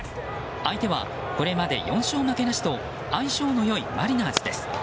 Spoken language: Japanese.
相手はこれまで４勝負けなしと相性の良いマリナーズです。